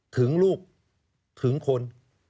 ถึงลูกถึงคน